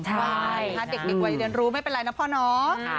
ใช่เด็กวัยเรียนรู้ไม่เป็นไรนะพ่อเนาะ